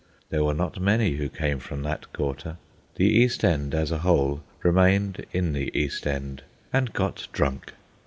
There were not many who came from that quarter. The East End, as a whole, remained in the East End and got drunk.